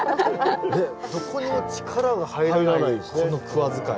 どこにも力が入らないこのクワ使い。